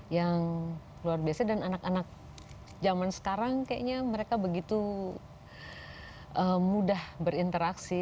yang luar biasa dan anak anak zaman sekarang kayaknya mereka begitu mudah berinteraksi